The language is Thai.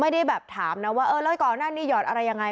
ไม่ได้แบบถามนะว่าเออแล้วก่อนหน้านี้หยอดอะไรยังไง